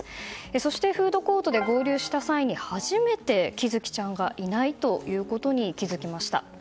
そしてフードコートで合流した際初めて喜寿生ちゃんがいないと気づきました。